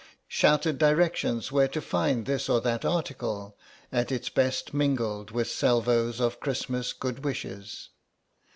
Shouted directions where to find this or that article at its best mingled with salvos of Christmas good wishes.